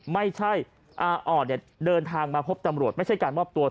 ไม่ใช่อาอ่อนเดินทางมาพบตำรวจไม่ใช่การมอบตัว